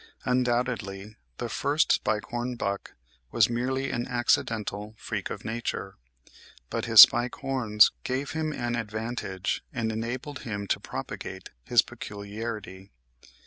Undoubtedly, the first spike horn buck was merely an accidental freak of nature. But his spike horns gave him an advantage, and enabled him to propagate his peculiarity.